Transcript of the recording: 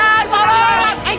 tunggu alam pak